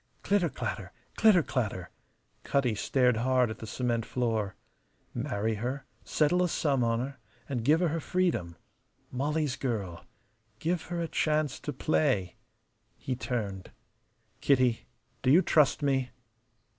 Clitter clatter! Clitter clatter! Cutty stared hard at the cement floor. Marry her, settle a sum on her, and give her her freedom. Molly's girl. Give her a chance to play. He turned. "Kitty, do you trust me?"